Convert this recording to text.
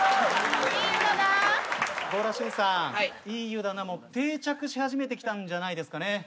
いい湯だなも定着し始めてきたんじゃないですかね？